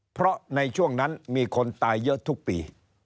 เพราะในช่วงนั้นมีคนตายเยอะทุกปี